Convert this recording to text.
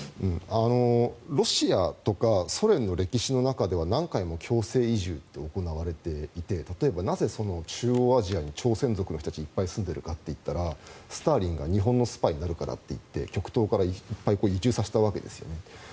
ロシアとかソ連の歴史の中では何回も強制移住って行われていて例えばなぜ中央アジアに朝鮮族の人たちがいっぱい住んでいるからというとスターリンが日本のスパイになるからと言って極東からいっぱい移住させたわけですよね。